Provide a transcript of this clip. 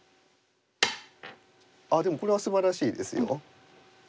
でもこれはすばらしいですよ。